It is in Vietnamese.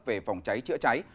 về phòng cháy chữa cháy